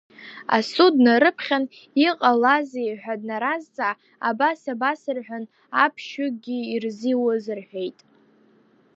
Асуд днарыԥхьан, иҟалазеи ҳәа данразҵаа, абас, абас рҳәан, аԥшьҩыкгьы ирзиуз рҳәеит.